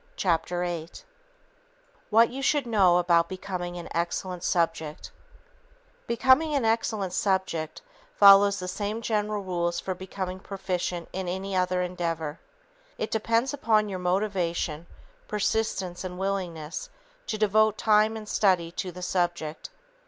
Chapter 8 What You Should Know About Becoming An Excellent Subject Becoming an excellent subject follows the same general rules for becoming proficient in any other endeavor. It depends upon your motivation, persistence and willingness to devote time and study to the subject.